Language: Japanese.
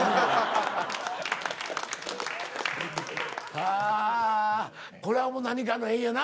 はあこれはもう何かの縁やな。